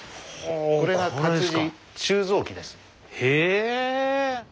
これがへ！